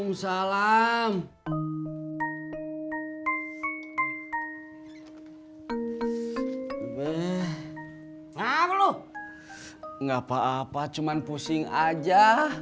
gak apa apa cuman pusing aja